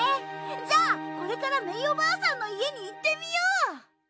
じゃあこれからメイおばあさんの家に行ってみよう！